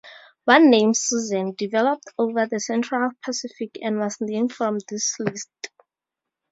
One name, Susan, developed over the Central Pacific and was named from this list.